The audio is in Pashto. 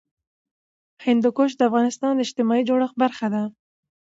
هندوکش د افغانستان د اجتماعي جوړښت برخه ده.